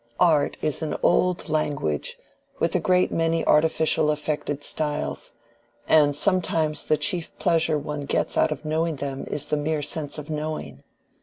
"Art is an old language with a great many artificial affected styles, and sometimes the chief pleasure one gets out of knowing them is the mere sense of knowing.